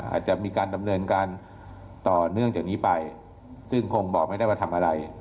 อาจจะมีการดำเนินการต่อเนื่องจากนี้ไปซึ่งคงบอกไม่ได้ว่าทำอะไร